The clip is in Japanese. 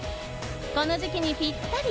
この時期にぴったり。